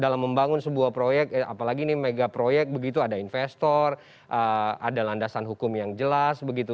dalam membangun sebuah proyek apalagi ini mega proyek begitu ada investor ada landasan hukum yang jelas begitu